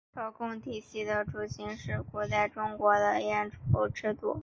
朝贡体系的雏形是古代中国的畿服制度。